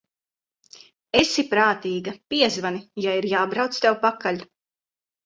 Esi prātīga, piezvani, ja ir jābrauc tev pakaļ.